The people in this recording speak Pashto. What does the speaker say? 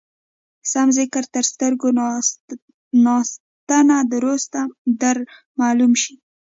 سم ذکر تر سترګو ناسنته در معلوم شي.